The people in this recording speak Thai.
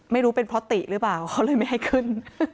ไม่รู้เป็นเพราะติหรือเปล่าเขาเลยไม่ให้ขึ้น